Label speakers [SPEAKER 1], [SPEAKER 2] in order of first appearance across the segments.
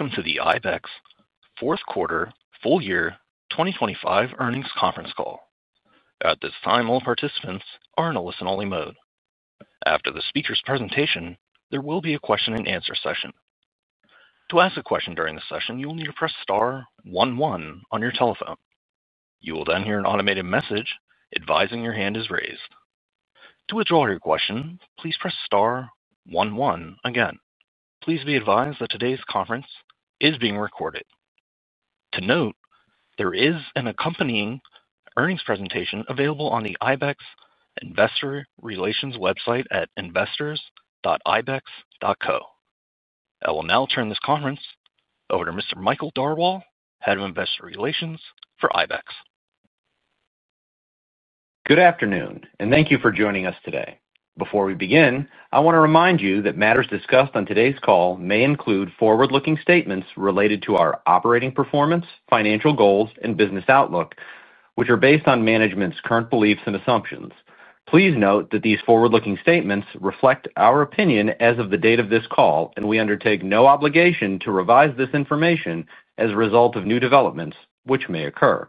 [SPEAKER 1] Welcome to the IBEX Fourth Quarter Full Year 2025 Earnings Conference Call. At this time, all participants are in a listen-only mode. After the speaker's presentation, there will be a question-and-answer session. To ask a question during the session, you will need to press *11 on your telephone. You will then hear an automated message advising your hand is raised. To withdraw your question, please press *11 again. Please be advised that today's conference is being recorded. To note, there is an accompanying earnings presentation available on the IBEX Investor Relations website at investors.ibex.co. I will now turn this conference over to Mr. Michael Darwal, Head of Investor Relations for IBEX.
[SPEAKER 2] Good afternoon, and thank you for joining us today. Before we begin, I want to remind you that matters discussed on today's call may include forward-looking statements related to our operating performance, financial goals, and business outlook, which are based on management's current beliefs and assumptions. Please note that these forward-looking statements reflect our opinion as of the date of this call, and we undertake no obligation to revise this information as a result of new developments which may occur.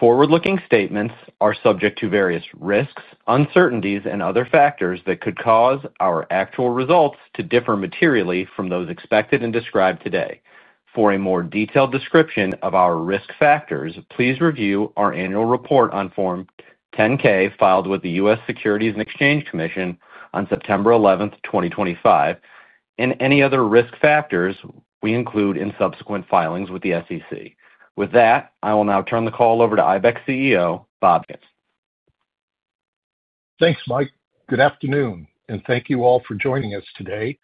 [SPEAKER 2] Forward-looking statements are subject to various risks, uncertainties, and other factors that could cause our actual results to differ materially from those expected and described today. For a more detailed description of our risk factors, please review our annual report on Form 10-K filed with the U.S. Securities and Exchange Commission on September 11, 2025, and any other risk factors we include in subsequent filings with the SEC. With that, I will now turn the call over to IBEX CEO Bob Dechant.
[SPEAKER 3] Thanks, Mike. Good afternoon, and thank you all for joining us today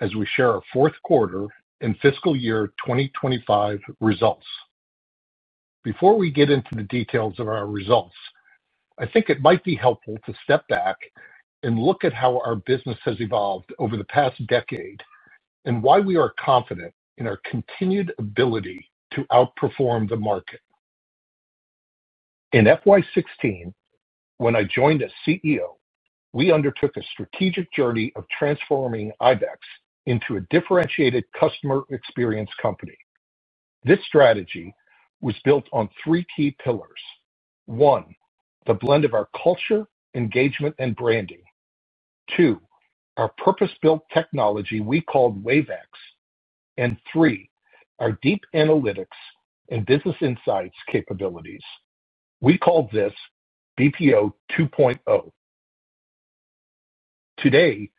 [SPEAKER 3] as we share our fourth quarter and fiscal year 2025 results. Before we get into the details of our results, I think it might be helpful to step back and look at how our business has evolved over the past decade and why we are confident in our continued ability to outperform the market. In FY 2016, when I joined as CEO, we undertook a strategic journey of transforming IBEX into a differentiated customer experience company. This strategy was built on three key pillars: one, the blend of our culture, engagement, and branding; two, our purpose-built technology we called WaveX; and three, our deep analytics and business insights capabilities, we called this BPO 2.0. Today,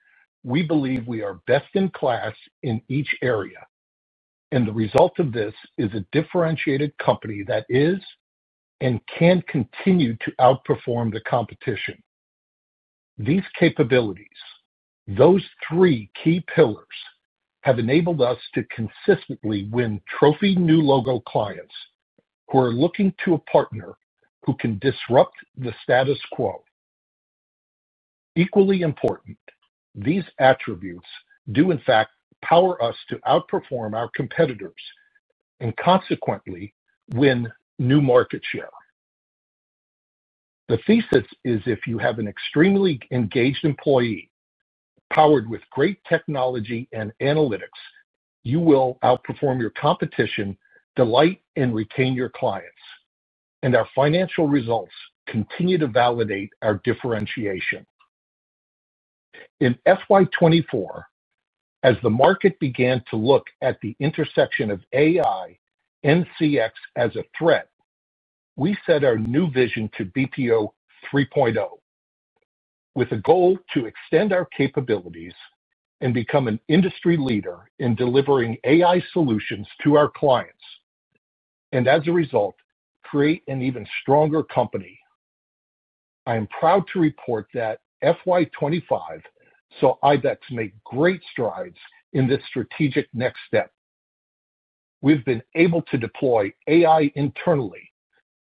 [SPEAKER 3] we believe we are best in class in each area, and the result of this is a differentiated company that is and can continue to outperform the competition. These capabilities, those three key pillars, have enabled us to consistently win trophy new logo clients who are looking to a partner who can disrupt the status quo. Equally important, these attributes do, in fact, power us to outperform our competitors and, consequently, win new market share. The thesis is if you have an extremely engaged employee powered with great technology and analytics, you will outperform your competition, delight, and retain your clients, and our financial results continue to validate our differentiation. In FY 2024, as the market began to look at the intersection of AI and CX as a threat, we set our new vision to BPO 3.0 with a goal to extend our capabilities and become an industry leader in delivering AI solutions to our clients and, as a result, create an even stronger company. I am proud to report that FY 2025 saw IBEX make great strides in this strategic next step. We've been able to deploy AI internally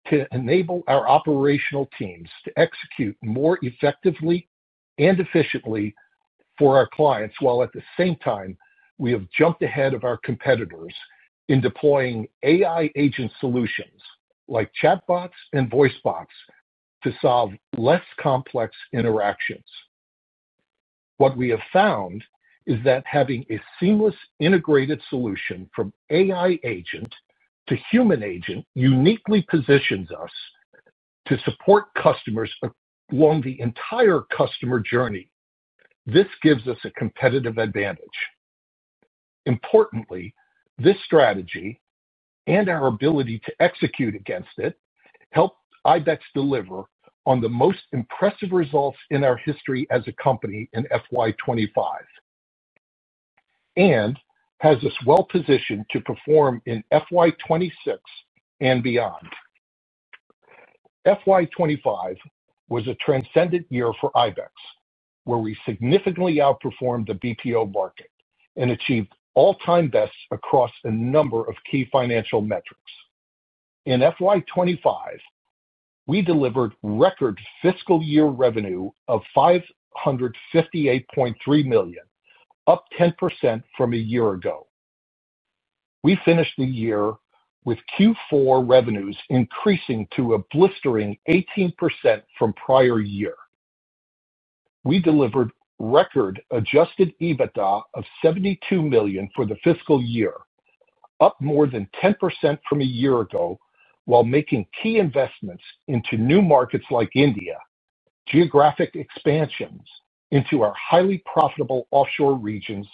[SPEAKER 3] to enable our operational teams to execute more effectively and efficiently for our clients, while at the same time, we have jumped ahead of our competitors in deploying AI agent solutions like chatbots and voice bots to solve less complex interactions. What we have found is that having a seamless integrated solution from AI agent to human agent uniquely positions us to support customers along the entire customer journey. This gives us a competitive advantage. Importantly, this strategy and our ability to execute against it help IBEX deliver on the most impressive results in our history as a company in FY 2025 and has us well positioned to perform in FY 2026 and beyond. FY 2025 was a transcendent year for IBEX, where we significantly outperformed the BPO market and achieved all-time bests across a number of key financial metrics. In FY 2025, we delivered record fiscal year revenue of $558.3 million, up 10% from a year ago. We finished the year with Q4 revenues increasing to a blistering 18% from prior year. We delivered record adjusted EBITDA of $72 million for the fiscal year, up more than 10% from a year ago, while making key investments into new markets like India, geographic expansions into our highly profitable offshore regions,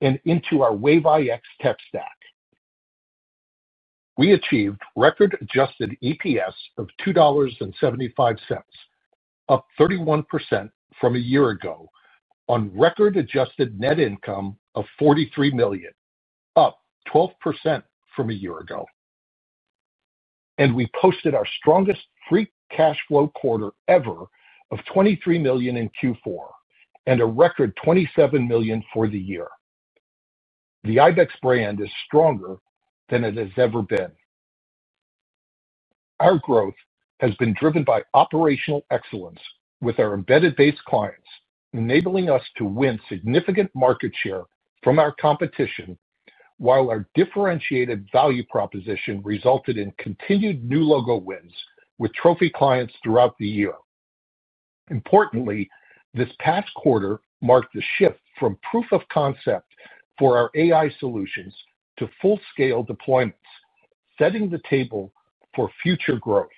[SPEAKER 3] and into our WaveX tech stack. We achieved record adjusted EPS of $2.75, up 31% from a year ago, on record adjusted net income of $43 million, up 12% from a year ago. We posted our strongest free cash flow quarter ever of $23 million in Q4 and a record $27 million for the year. The IBEX brand is stronger than it has ever been. Our growth has been driven by operational excellence with our embedded base clients, enabling us to win significant market share from our competition, while our differentiated value proposition resulted in continued new logo wins with trophy clients throughout the year. Importantly, this past quarter marked the shift from proof of concept for our AI solutions to full-scale deployments, setting the table for future growth.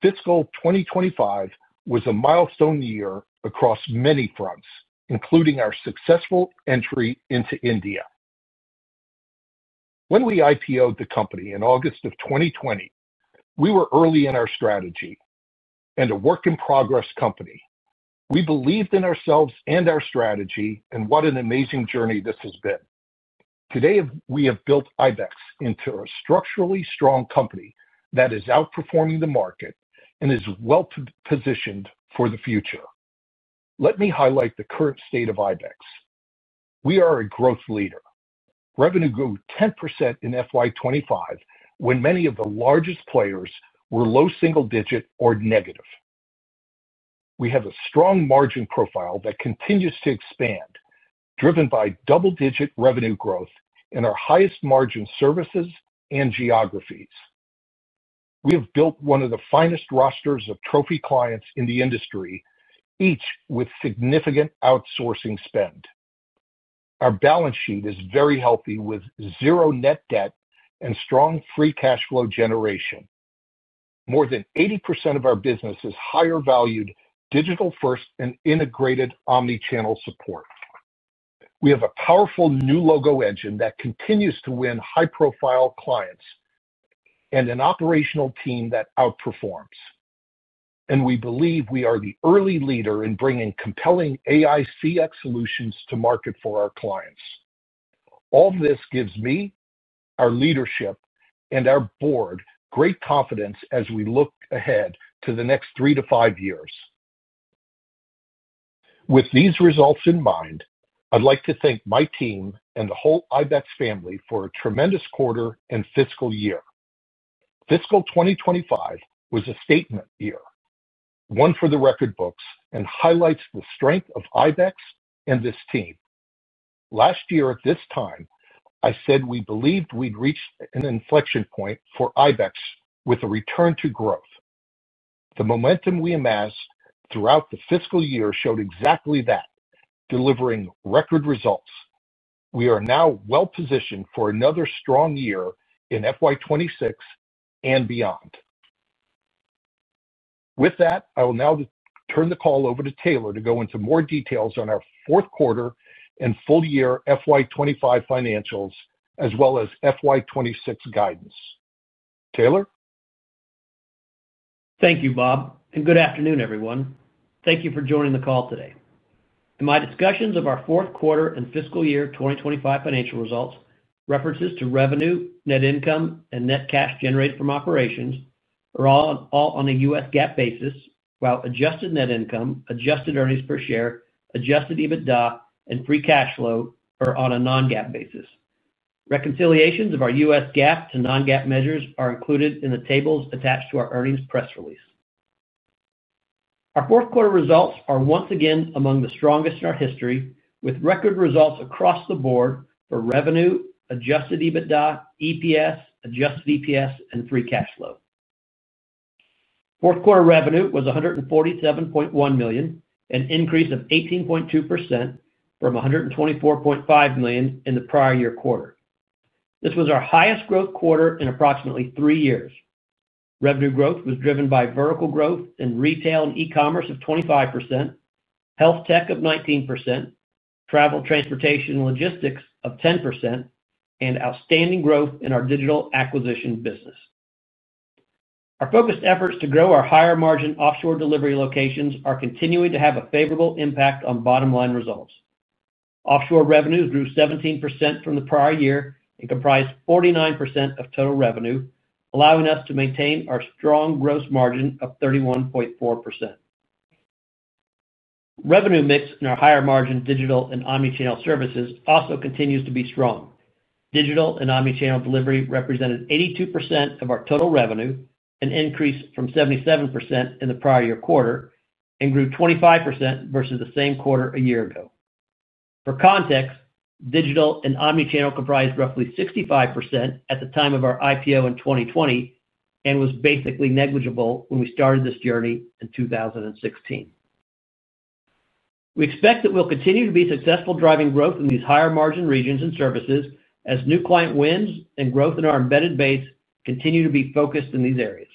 [SPEAKER 3] Fiscal 2025 was a milestone year across many fronts, including our successful entry into India. When we IPO'd the company in August of 2020, we were early in our strategy and a work-in-progress company. We believed in ourselves and our strategy, and what an amazing journey this has been. Today, we have built IBEX into a structurally strong company that is outperforming the market and is well positioned for the future. Let me highlight the current state of IBEX. We are a growth leader. Revenue grew 10% in FY 2025 when many of the largest players were low single-digit or negative. We have a strong margin profile that continues to expand, driven by double-digit revenue growth and our highest margin services and geographies. We have built one of the finest rosters of trophy clients in the industry, each with significant outsourcing spend. Our balance sheet is very healthy with zero net debt and strong free cash flow generation. More than 80% of our business is higher-valued digital-first and integrated omnichannel support. We have a powerful new logo engine that continues to win high-profile clients and an operational team that outperforms. We believe we are the early leader in bringing compelling AI-driven CX solutions to market for our clients. All of this gives me, our leadership, and our board great confidence as we look ahead to the next three to five years. With these results in mind, I'd like to thank my team and the whole IBEX family for a tremendous quarter and fiscal year. Fiscal 2025 was a statement year, one for the record books and highlights the strength of IBEX and this team. Last year, at this time, I said we believed we'd reached an inflection point for IBEX with a return to growth. The momentum we amassed throughout the fiscal year showed exactly that, delivering record results. We are now well positioned for another strong year in FY 2026 and beyond. With that, I will now turn the call over to Taylor to go into more details on our fourth quarter and full year FY 2025 financials, as well as FY 2026 guidance. Taylor?
[SPEAKER 4] Thank you, Bob, and good afternoon, everyone. Thank you for joining the call today. In my discussions of our fourth quarter and fiscal year 2025 financial results, references to revenue, net income, and net cash generated from operations are all on a U.S. GAAP basis, while adjusted net income, adjusted earnings per share, adjusted EBITDA, and free cash flow are on a non-GAAP basis. Reconciliations of our U.S. GAAP to non-GAAP measures are included in the tables attached to our earnings press release. Our fourth quarter results are once again among the strongest in our history, with record results across the board for revenue, adjusted EBITDA, EPS, adjusted EPS, and free cash flow. Fourth quarter revenue was $147.1 million, an increase of 18.2% from $124.5 million in the prior year quarter. This was our highest growth quarter in approximately three years. Revenue growth was driven by vertical growth in retail and e-commerce of 25%, health tech of 19%, travel, transportation, and logistics of 10%, and outstanding growth in our digital acquisition business. Our focused efforts to grow our higher margin offshore delivery locations are continuing to have a favorable impact on bottom-line results. Offshore revenue grew 17% from the prior year and comprised 49% of total revenue, allowing us to maintain our strong gross margin of 31.4%. Revenue mix in our higher margin digital and omnichannel services also continues to be strong. Digital and omnichannel delivery represented 82% of our total revenue, an increase from 77% in the prior year quarter, and grew 25% versus the same quarter a year ago. For context, digital and omnichannel comprised roughly 65% at the time of our IPO in 2020 and was basically negligible when we started this journey in 2016. We expect that we'll continue to be successful driving growth in these higher margin regions and services as new client wins and growth in our embedded base continue to be focused in these areas.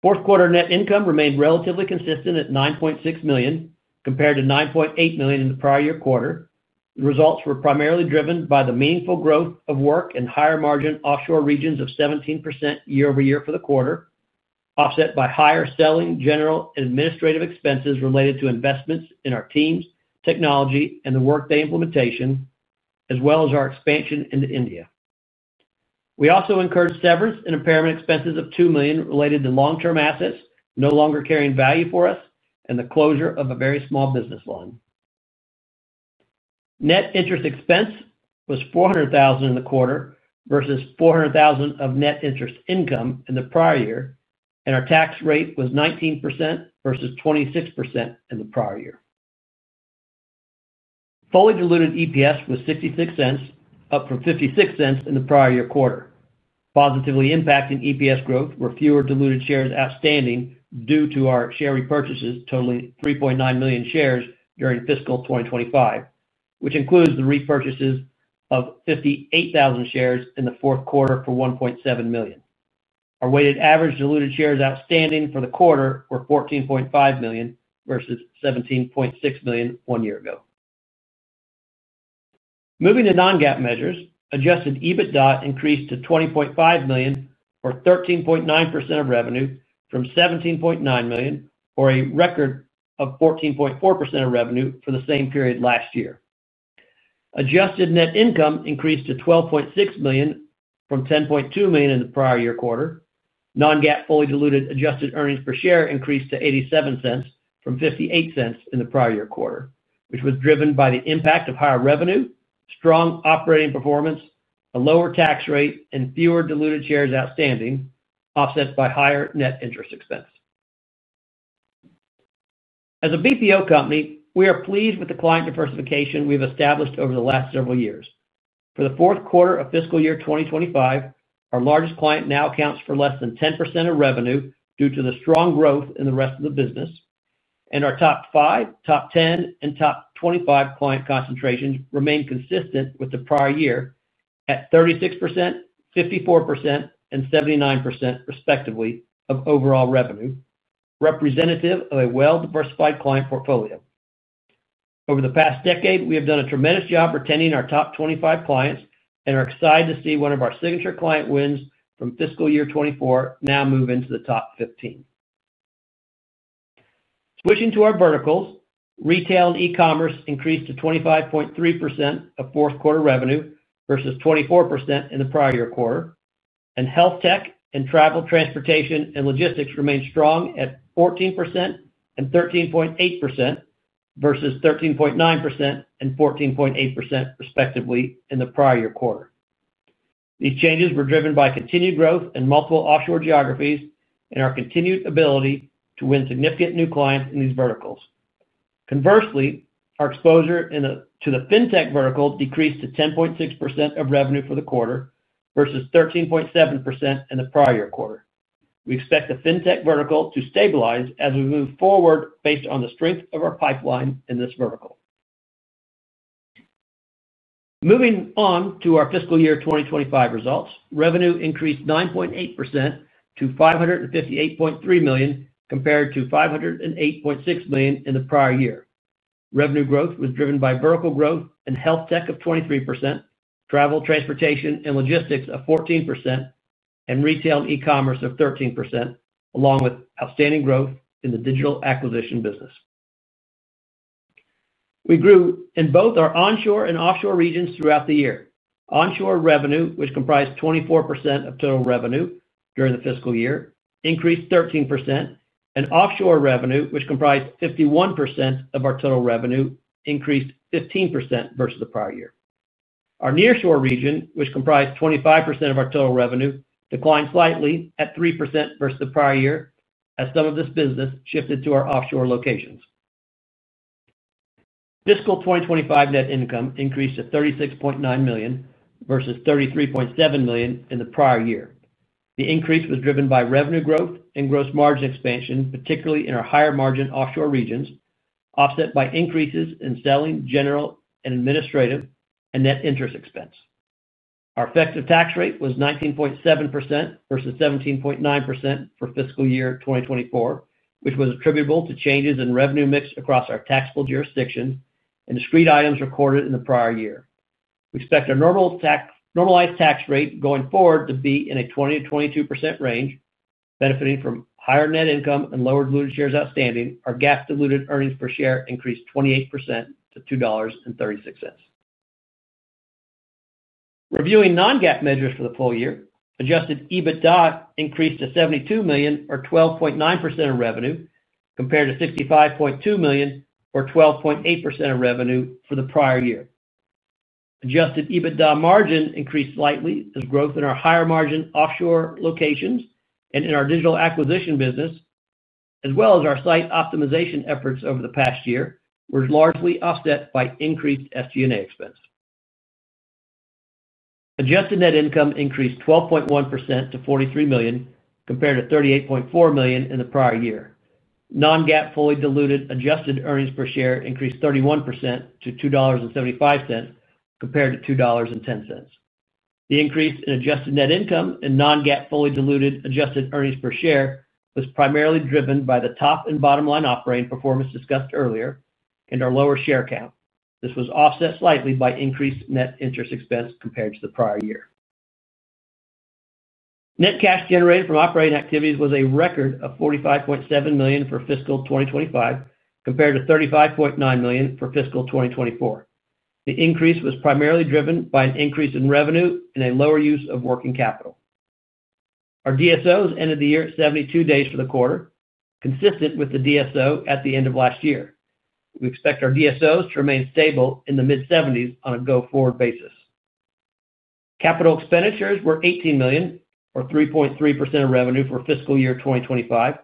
[SPEAKER 4] Fourth quarter net income remained relatively consistent at $9.6 million compared to $9.8 million in the prior year quarter. The results were primarily driven by the meaningful growth of work in higher margin offshore regions of 17% year-over-year for the quarter, offset by higher selling, general, and administrative expenses related to investments in our teams, technology, and the Workday implementation, as well as our expansion into India. We also incurred severance and impairment expenses of $2 million related to long-term assets no longer carrying value for us and the closure of a very small business line. Net interest expense was $400,000 in the quarter versus $400,000 of net interest income in the prior year, and our tax rate was 19% versus 26% in the prior year. Fully diluted EPS was $0.66, up from $0.56 in the prior year quarter. Positively impacting EPS growth were fewer diluted shares outstanding due to our share repurchases totaling 3.9 million shares during fiscal 2025, which includes the repurchases of 58,000 shares in the fourth quarter for $1.7 million. Our weighted average diluted shares outstanding for the quarter were 14.5 million versus 17.6 million one year ago. Moving to non-GAAP measures, adjusted EBITDA increased to $20.5 million, or 13.9% of revenue, from $17.9 million, or a record of 14.4% of revenue for the same period last year. Adjusted net income increased to $12.6 million from $10.2 million in the prior year quarter. Non-GAAP fully diluted adjusted earnings per share increased to $0.87 from $0.58 in the prior year quarter, which was driven by the impact of higher revenue, strong operating performance, a lower tax rate, and fewer diluted shares outstanding, offset by higher net interest expense. As a BPO company, we are pleased with the client diversification we've established over the last several years. For the fourth quarter of fiscal year 2025, our largest client now accounts for less than 10% of revenue due to the strong growth in the rest of the business, and our top 5, top 10, and top 25 client concentrations remain consistent with the prior year at 36%, 54%, and 79%, respectively, of overall revenue, representative of a well-diversified client portfolio. Over the past decade, we have done a tremendous job retaining our top 25 clients and are excited to see one of our signature client wins from fiscal year 2024 now move into the top 15. Switching to our verticals, retail and e-commerce increased to 25.3% of fourth quarter revenue versus 24% in the prior year quarter, and health tech and travel, transportation, and logistics remained strong at 14% and 13.8% versus 13.9% and 14.8%, respectively, in the prior year quarter. These changes were driven by continued growth in multiple offshore geographies and our continued ability to win significant new clients in these verticals. Conversely, our exposure to the fintech vertical decreased to 10.6% of revenue for the quarter versus 13.7% in the prior year quarter. We expect the fintech vertical to stabilize as we move forward based on the strength of our pipeline in this vertical. Moving on to our fiscal year 2025 results, revenue increased 9.8% to $558.3 million compared to $508.6 million in the prior year. Revenue growth was driven by vertical growth in health tech of 23%, travel, transportation, and logistics of 14%, and retail and e-commerce of 13%, along with outstanding growth in the digital acquisition business. We grew in both our onshore and offshore regions throughout the year. Onshore revenue, which comprised 24% of total revenue during the fiscal year, increased 13%, and offshore revenue, which comprised 51% of our total revenue, increased 15% versus the prior year. Our nearshore region, which comprised 25% of our total revenue, declined slightly at 3% versus the prior year as some of this business shifted to our offshore locations. Fiscal 2025 net income increased to $36.9 million versus $33.7 million in the prior year. The increase was driven by revenue growth and gross margin expansion, particularly in our higher margin offshore regions, offset by increases in selling, general, and administrative, and net interest expense. Our effective tax rate was 19.7% versus 17.9% for fiscal year 2024, which was attributable to changes in revenue mix across our taxable jurisdiction and discrete items recorded in the prior year. We expect our normalized tax rate going forward to be in a 20% to 22% range, benefiting from higher net income and lower diluted shares outstanding. Our GAAP diluted earnings per share increased 28% to $2.36. Reviewing non-GAAP measures for the full year, adjusted EBITDA increased to $72 million, or 12.9% of revenue, compared to $65.2 million, or 12.8% of revenue for the prior year. Adjusted EBITDA margin increased slightly as growth in our higher margin offshore locations and in our digital acquisition business, as well as our site optimization efforts over the past year, were largely offset by increased SG&A expense. Adjusted net income increased 12.1% to $43 million, compared to $38.4 million in the prior year. Non-GAAP fully diluted adjusted earnings per share increased 31% to $2.75, compared to $2.10. The increase in adjusted net income and non-GAAP fully diluted adjusted earnings per share was primarily driven by the top and bottom-line operating performance discussed earlier and our lower share count. This was offset slightly by increased net interest expense compared to the prior year. Net cash generated from operating activities was a record of $45.7 million for fiscal 2025, compared to $35.9 million for fiscal 2024. The increase was primarily driven by an increase in revenue and a lower use of working capital. Our DSOs ended the year at 72 days for the quarter, consistent with the DSO at the end of last year. We expect our DSOs to remain stable in the mid-70s on a go-forward basis. Capital expenditures were $18 million, or 3.3% of revenue for fiscal year 2025,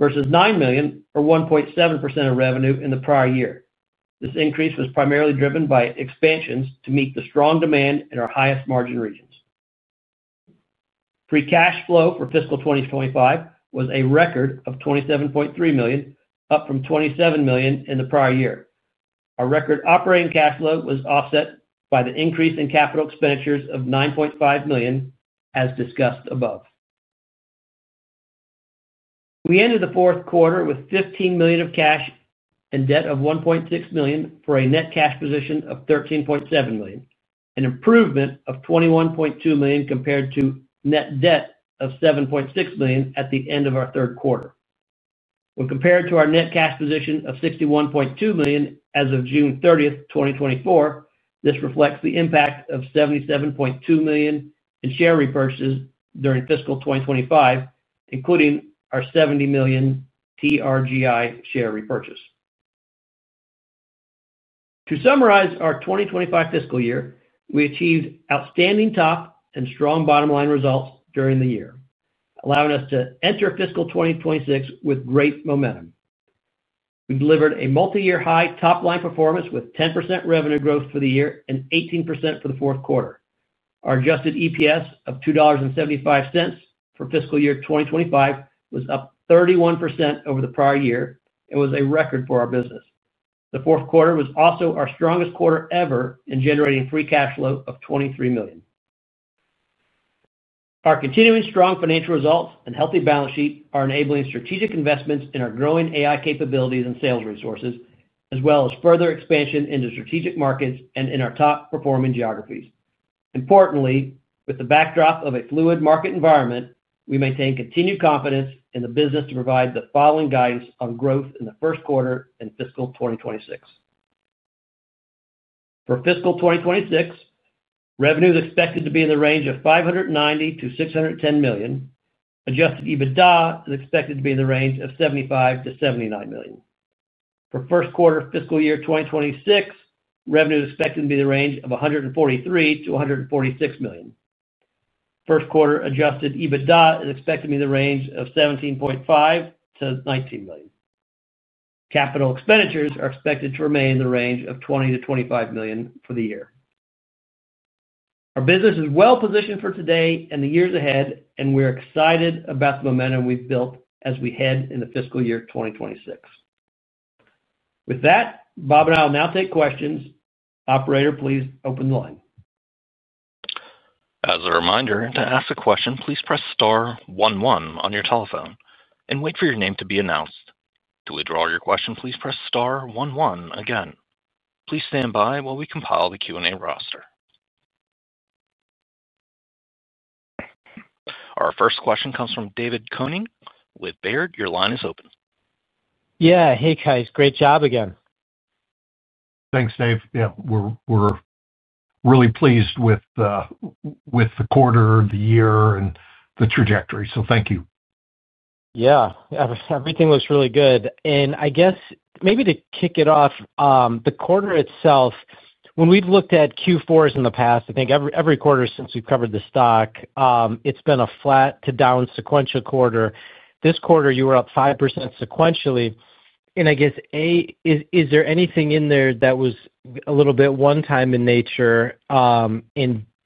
[SPEAKER 4] versus $9 million, or 1.7% of revenue in the prior year. This increase was primarily driven by expansions to meet the strong demand in our highest margin regions. Free cash flow for fiscal 2025 was a record of $27.3 million, up from $27 million in the prior year. Our record operating cash flow was offset by the increase in capital expenditures of $9.5 million, as discussed above. We ended the fourth quarter with $15 million of cash and debt of $1.6 million for a net cash position of $13.7 million, an improvement of $21.2 million compared to net debt of $7.6 million at the end of our third quarter. When compared to our net cash position of $61.2 million as of June 30, 2024, this reflects the impact of $77.2 million in share repurchases during fiscal 2025, including our $70 million TRGI share repurchase. To summarize our 2025 fiscal year, we achieved outstanding top and strong bottom-line results during the year, allowing us to enter fiscal 2026 with great momentum. We delivered a multi-year high top-line performance with 10% revenue growth for the year and 18% for the fourth quarter. Our adjusted EPS of $2.75 for fiscal year 2025 was up 31% over the prior year and was a record for our business. The fourth quarter was also our strongest quarter ever in generating free cash flow of $23 million. Our continuing strong financial results and healthy balance sheet are enabling strategic investments in our growing AI capabilities and sales resources, as well as further expansion into strategic markets and in our top-performing geographies. Importantly, with the backdrop of a fluid market environment, we maintain continued confidence in the business to provide the following guidance on growth in the first quarter and fiscal 2026. For fiscal 2026, revenue is expected to be in the range of $590 to $610 million. Adjusted EBITDA is expected to be in the range of $75 to $79 million. For first quarter fiscal year 2026, revenue is expected to be in the range of $143 to $146 million. First quarter adjusted EBITDA is expected to be in the range of $17.5 to $19 million. Capital expenditures are expected to remain in the range of $20 to $25 million for the year. Our business is well positioned for today and the years ahead, and we're excited about the momentum we've built as we head into fiscal year 2026. With that, Bob and I will now take questions. Operator, please open the line.
[SPEAKER 1] As a reminder, to ask a question, please press *11 on your telephone and wait for your name to be announced. To withdraw your question, please press *11 again. Please stand by while we compile the Q&A roster. Our first question comes from David Koenig with Baird. Your line is open.
[SPEAKER 5] Yeah, hey guys, great job again.
[SPEAKER 3] Thanks, Dave. Yeah, we're really pleased with the quarter, the year, and the trajectory, so thank you.
[SPEAKER 5] Yeah, everything looks really good. I guess maybe to kick it off, the quarter itself, when we've looked at Q4s in the past, I think every quarter since we've covered the stock, it's been a flat to down sequential quarter. This quarter, you were up 5% sequentially. I guess, A, is there anything in there that was a little bit one-time in nature?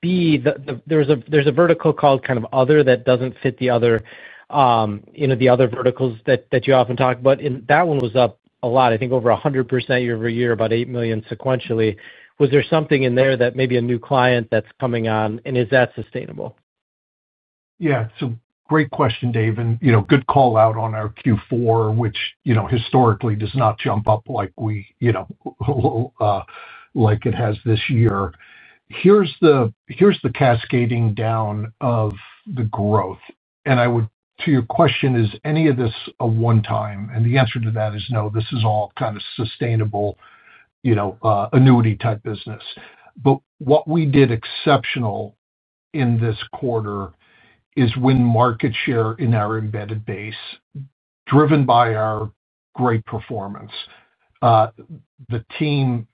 [SPEAKER 5] B, there's a vertical called kind of other that doesn't fit the other, you know, the other verticals that you often talk about. That one was up a lot, I think over 100% year over year, about $8 million sequentially. Was there something in there that maybe a new client that's coming on, and is that sustainable?
[SPEAKER 3] Yeah, great question, Dave, and good call out on our Q4, which historically does not jump up like it has this year. Here's the cascading down of the growth. To your question, is any of this a one-time? The answer to that is no, this is all kind of sustainable, annuity-type business. What we did exceptional in this quarter is win market share in our embedded base, driven by our great performance. The team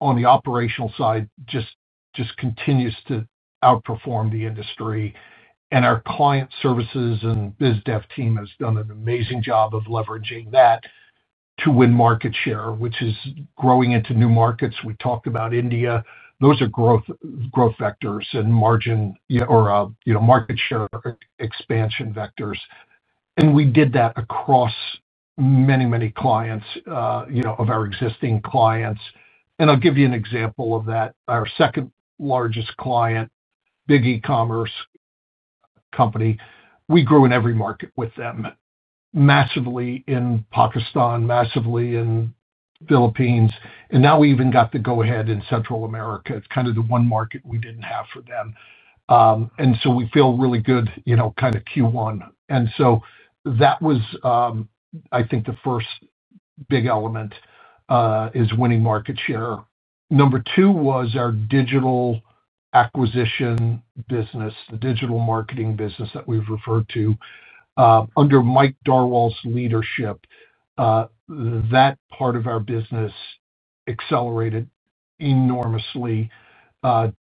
[SPEAKER 3] on the operational side just continues to outperform the industry. Our Client Services and Biz Dev team has done an amazing job of leveraging that to win market share, which is growing into new markets. We talked about India. Those are growth vectors and margin, or market share expansion vectors. We did that across many, many clients, of our existing clients. I'll give you an example of that. Our second largest client, big e-commerce company, we grew in every market with them, massively in Pakistan, massively in the Philippines, and now we even got the go-ahead in Central America. It's kind of the one market we didn't have for them. We feel really good, kind of Q1. That was, I think, the first big element is winning market share. Number two was our digital acquisition business, the digital marketing business that we've referred to. Under Michael Darwal's leadership, that part of our business accelerated enormously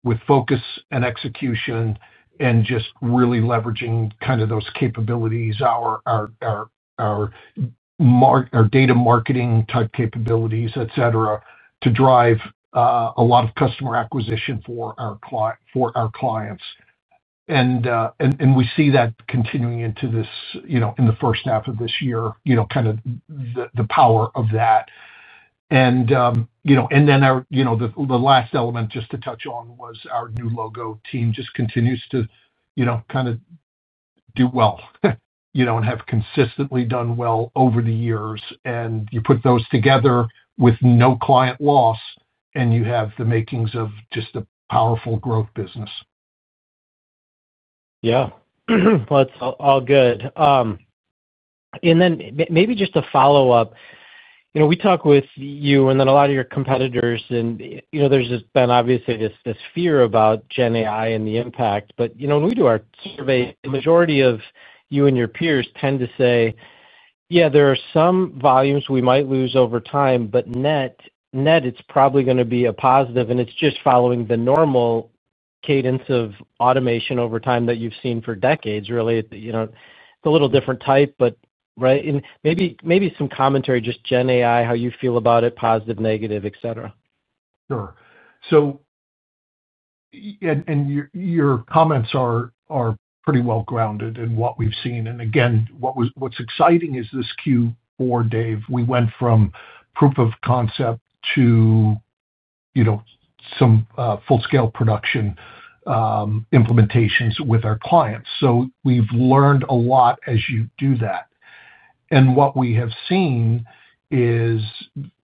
[SPEAKER 3] with focus and execution and just really leveraging kind of those capabilities, our data marketing type capabilities, et cetera, to drive a lot of customer acquisition for our clients. We see that continuing into this, in the first half of this year, kind of the power of that. The last element just to touch on was our new logo team just continues to do well, and have consistently done well over the years. You put those together with no client loss, and you have the makings of just a powerful growth business.
[SPEAKER 5] Yeah, it's all good. Maybe just a follow-up. You know, we talk with you and a lot of your competitors, and there's just been obviously this fear about Gen AI and the impact. When we do our survey, the majority of you and your peers tend to say, yeah, there are some volumes we might lose over time, but net, net, it's probably going to be a positive, and it's just following the normal cadence of automation over time that you've seen for decades, really. It's a little different type, right. Maybe some commentary, just Gen AI, how you feel about it, positive, negative, et cetera.
[SPEAKER 3] Sure. Your comments are pretty well grounded in what we've seen. What's exciting is this Q4, Dave, we went from proof of concept to some full-scale production implementations with our clients. We've learned a lot as you do that. What we have seen is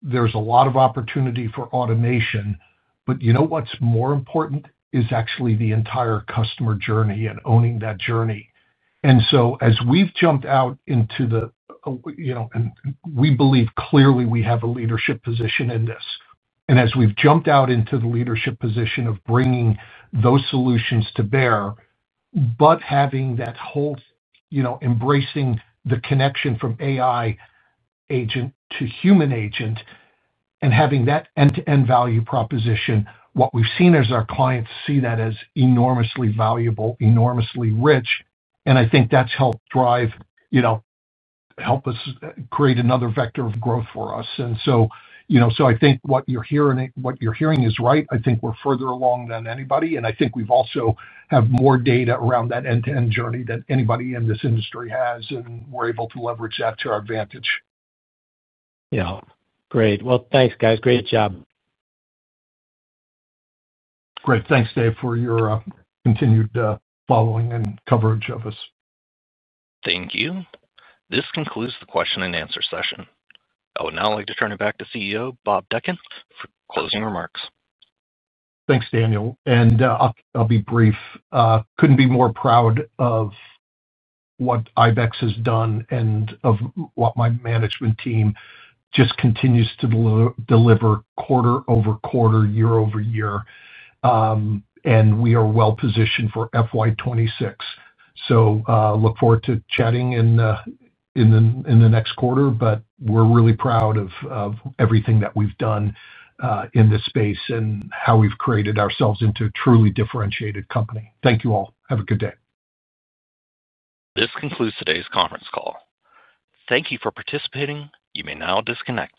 [SPEAKER 3] there's a lot of opportunity for automation, but what's more important is actually the entire customer journey and owning that journey. As we've jumped out into the, you know, and we believe clearly we have a leadership position in this. As we've jumped out into the leadership position of bringing those solutions to bear, having that whole, embracing the connection from AI agent to human agent and having that end-to-end value proposition, what we've seen is our clients see that as enormously valuable, enormously rich. I think that's helped drive, help us create another vector of growth for us. I think what you're hearing is right. I think we're further along than anybody. I think we also have more data around that end-to-end journey than anybody in this industry has, and we're able to leverage that to our advantage.
[SPEAKER 5] Yeah, great. Thanks, guys. Great job.
[SPEAKER 3] Great. Thanks, Dave, for your continued following and coverage of us.
[SPEAKER 1] Thank you. This concludes the question and answer session. I would now like to turn it back to CEO Bob Dechant for closing remarks.
[SPEAKER 3] Thanks, Daniel. I'll be brief. Couldn't be more proud of what IBEX Limited has done and of what my management team just continues to deliver quarter over quarter, year over year. We are well positioned for FY 2026. I look forward to chatting in the next quarter. We're really proud of everything that we've done in this space and how we've created ourselves into a truly differentiated company. Thank you all. Have a good day.
[SPEAKER 1] This concludes today's conference call. Thank you for participating. You may now disconnect.